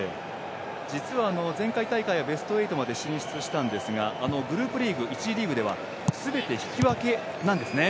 実は前大会はベスト８まで進出したんですがグループリーグ、１次リーグではすべて引き分けなんですね。